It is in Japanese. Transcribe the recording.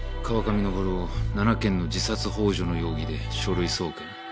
川上昇を７件の自殺幇助の容疑で書類送検。